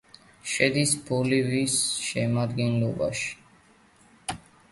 შედის ბოლივიის შემადგენლობაში.